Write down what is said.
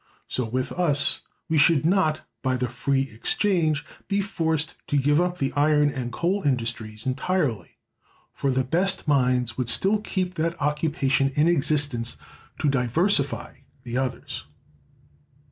So with us: we should not, by the free exchange, be forced to give up the iron and coal industries entirely; for the best mines would still keep that occupation in existence to "diversify" the others.